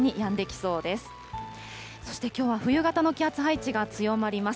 そしてきょうは冬型の気圧配置が強まります。